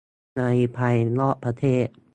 ในภายนอกประเทศ